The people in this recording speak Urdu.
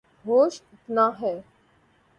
ہوش اتنا ہے